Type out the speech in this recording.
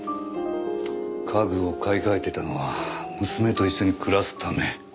家具を買い替えてたのは娘と一緒に暮らすため。